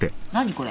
これ。